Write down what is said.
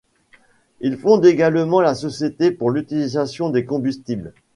Il fonde également la Société pour l'utilisation des combustibles.